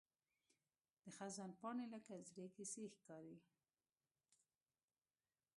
د خزان پاڼې لکه زړې کیسې ښکاري